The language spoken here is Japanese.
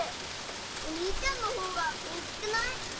おにいちゃんのほうが大きくない？